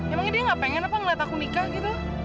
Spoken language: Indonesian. emangnya dia gak pengen apa ngeliat aku nikah gitu